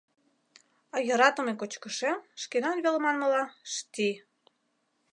А йӧратыме кочкышем, шкенан вел манмыла, шти.